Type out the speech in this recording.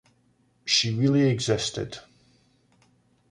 She really existed.